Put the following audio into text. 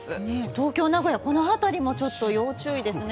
東京、名古屋辺りも要注意ですね。